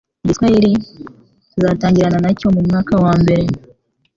igi swahili tuzatangirana na cyo mu mwaka wa mbere